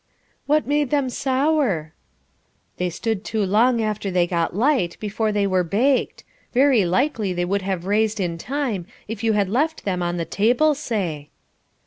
"What made them sour?" "They stood too long after they got light, before they were baked. Very likely they would have raised in time, if you had left them on the table, say."